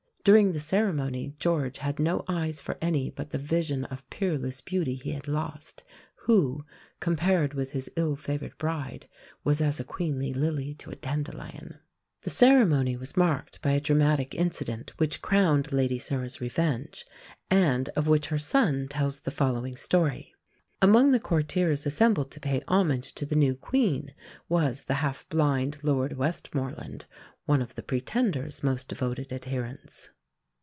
During the ceremony George had no eyes for any but the vision of peerless beauty he had lost, who, compared with his ill favoured bride, was "as a queenly lily to a dandelion." The ceremony was marked by a dramatic incident which crowned Lady Sarah's revenge, and of which her son tells the following story. Among the courtiers assembled to pay homage to the new Queen was the half blind Lord Westmorland, one of the Pretender's most devoted adherents.